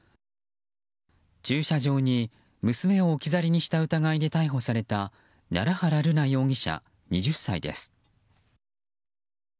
駐車場に娘を置き去りにした疑いで逮捕された奈良原瑠奈容疑者、２０歳です。